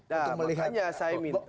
nah makanya saya minta